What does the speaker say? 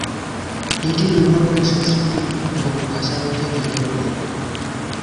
এটি নির্ভর করে সাংস্কৃতিক এবং ভাষাগত দিকের উপর।